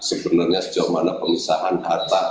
sebenarnya sejauh mana pemisahan harta